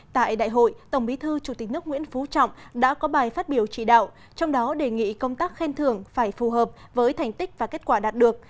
tại đại hội tổng bí thư chủ tịch nước nguyễn phú trọng đã có bài phát biểu trị đạo trong đó đề nghị công tác khen thưởng phải phù hợp với thành tích và kết quả đạt được